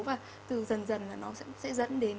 và từ dần dần là nó sẽ dẫn đến